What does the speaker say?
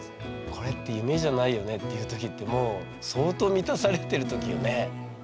「これって夢じゃないよね」って言う時ってもう相当満たされる時よね。